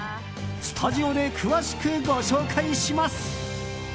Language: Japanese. スタジオで詳しくご紹介します。